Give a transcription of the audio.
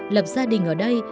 lập gia đình ở đây